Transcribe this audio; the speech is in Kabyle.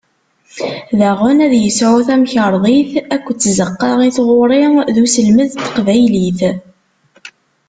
Daɣen, ad yesɛu tamkarḍit akked tzeqqa i tɣuri d uselmed n teqbaylit.